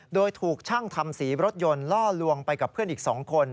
โดยถูกช่างทำสีรถยนต์ล่อลวงไปกับเพื่อนอีก๒คน